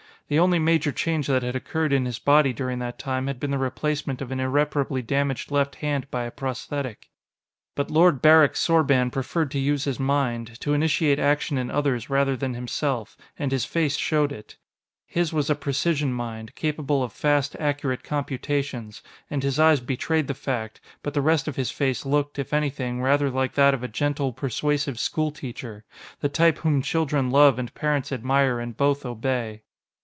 The only major change that had occurred in his body during that time had been the replacement of an irreparably damaged left hand by a prosthetic. But Lord Barrick Sorban preferred to use his mind, to initiate action in others rather than himself, and his face showed it. His was a precision mind, capable of fast, accurate computations, and his eyes betrayed the fact, but the rest of his face looked, if anything, rather like that of a gentle, persuasive schoolteacher the type whom children love and parents admire and both obey.